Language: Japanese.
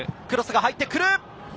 クロスが入ってくる。